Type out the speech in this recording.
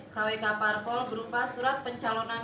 kwk parpol berupa surat pencalonan